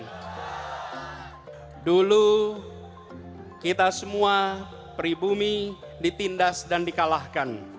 dulu kita semua pribumi ditindas dan dikalahkan